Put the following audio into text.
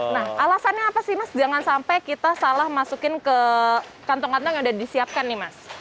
nah alasannya apa sih mas jangan sampai kita salah masukin ke kantong kantong yang sudah disiapkan nih mas